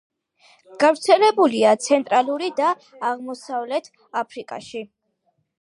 გავრცელებულია ცენტრალურ და აღმოსავლეთ აფრიკაში.